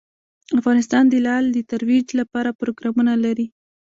افغانستان د لعل د ترویج لپاره پروګرامونه لري.